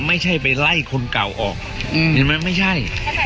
ไม่ใช่ไปไล่คนเก่าออกเห็นไหมไม่ใช่